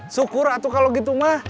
syukur atuh kalau gitu ma